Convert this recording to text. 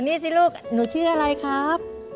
นี่สิลูกหนูชื่ออะไรครับ